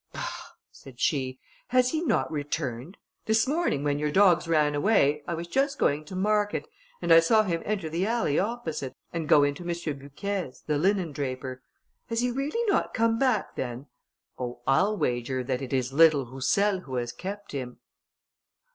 "Bah!" said she, "has he not returned? This morning, when your dogs ran away, I was just going to market, and I saw him enter the alley opposite, and go into M. Bucquet's, the linendraper. Has he really not come back, then? Oh, I'll wager that it is little Roussel who has kept him."